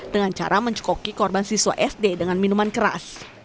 dengan cara mencekoki korban siswa sd dengan minuman keras